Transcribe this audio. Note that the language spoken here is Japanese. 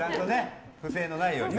不正のないようにね。